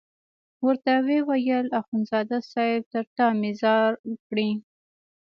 ورته ویې ویل اخندزاده صاحب تر تا مې ځار کړې.